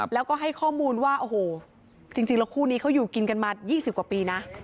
แล้วก็ให้ข้อมูลว่าโอ้โหจริงแล้วคู่นี้เขาอยู่กินกันมา๒๐กว่าปีนะ